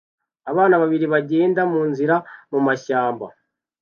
Abana babiri bagenda munzira mumashyamba